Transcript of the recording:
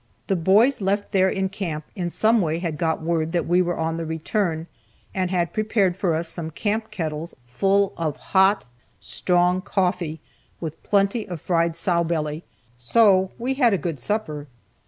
The boys left there in camp in some way had got word that we were on the return, and had prepared for us some camp kettles full of hot, strong coffee, with plenty of fried sow belly, so we had a good supper.